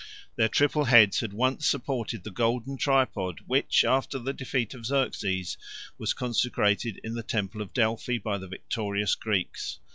Their triple heads had once supported the golden tripod which, after the defeat of Xerxes, was consecrated in the temple of Delphi by the victorious Greeks.